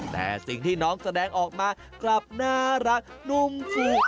แต่สิ่งที่น้องแสดงออกมากลับน่ารักนุ่มฟู